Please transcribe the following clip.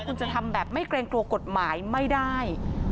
คุณจะทำแบบไม่เกรงกลัวกฎหมายไม่ได้